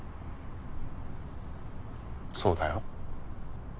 そうだよ。